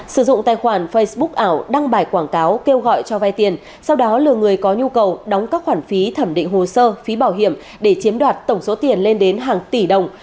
sử dụng tài khoản facebook ảo đăng bài quảng cáo kêu gọi cho vay tiền sau đó lừa người có nhu cầu đóng các khoản phí thẩm định hồ sơ phí bảo hiểm để chiếm đoạt tổng số tiền lên đến hàng tỷ đồng